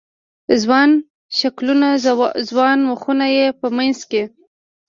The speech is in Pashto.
ځوان شکلونه، ځوان مخونه یې په منځ کې